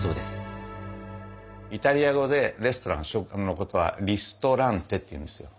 イタリア語でレストラン食堂のことは「リストランテ」って言うんですよ。